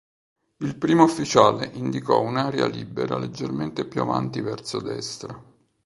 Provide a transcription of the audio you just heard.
Il primo ufficiale indicò un'area libera leggermente più avanti verso destra.